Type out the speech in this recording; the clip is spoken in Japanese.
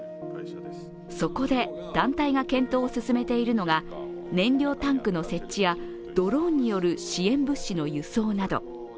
そこで団体が検討を進めているのが燃料タンクの設置やドローンによる支援物資の輸送など。